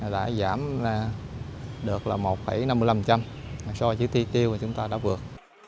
đã giảm được một năm mươi năm trăm so với chữ thi tiêu chúng ta đã vượt